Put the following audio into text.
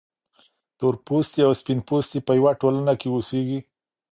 تورپوستي او سپین پوستي په یوه ټولنه کې اوسیږي.